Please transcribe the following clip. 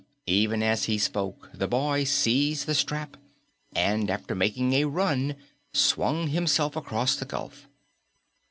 Even as he spoke, the boy seized the strap, and after making a run swung himself across the gulf.